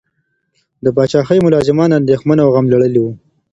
د پاچاهۍ ملازمان اندیښمن او غم لړلي ول.